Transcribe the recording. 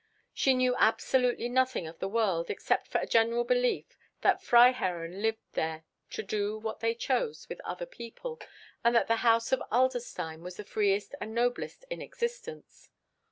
She knew absolutely nothing of the world, except for a general belief that Freiherren lived there to do what they chose with other people, and that the House of Adlerstein was the freest and noblest in existence.